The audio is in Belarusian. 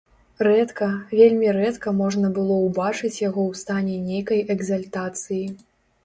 Рэдка, вельмі рэдка можна было ўбачыць яго ў стане нейкай экзальтацыі.